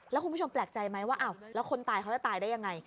แล้วคุณผู้ชมแปลกใจไหมว่าอ้าวแล้วคนตายเขาจะตายได้ยังไง